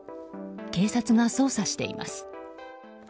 警察が捜査しています。